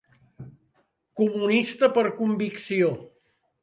Comunista per convicció.